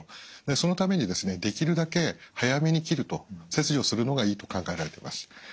そのためにですねできるだけ早めに切ると切除するのがいいと考えられています。